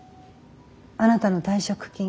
あなたの退職金。